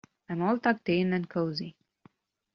I'm all tucked in and cosy.